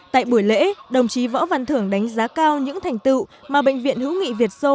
tại buổi lễ đồng chí võ văn thưởng đánh giá cao những thành tựu mà bệnh viện hữu nghị việt sô